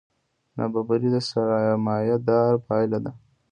نابرابري د سرمایهدارۍ پایله ده.